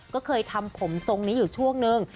ก็เคยทำผมทรงนี้อยู่ช่วงนึง